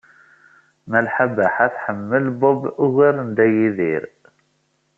Malḥa Baḥa tḥemmel Bob ugar n Dda Yidir.